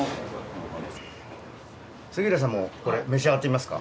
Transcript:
杉浦さんもこれ召し上がってみますか？